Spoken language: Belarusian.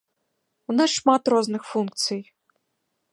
У нас шмат розных функцый.